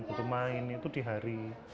itu main itu di hari